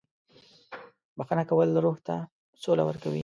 • بښنه کول روح ته سوله ورکوي.